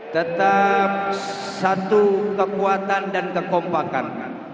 tetap satu kekuatan dan kekompakan